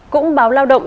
cũng báo lao động